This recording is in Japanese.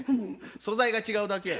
素材が違うだけや。